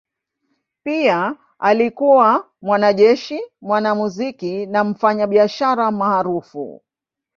Pia alikuwa mwanajeshi, mwanamuziki na mfanyabiashara maarufu.